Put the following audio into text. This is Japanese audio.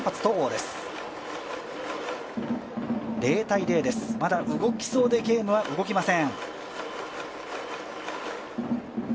０−０です、まだ動きそうでゲームは動きません。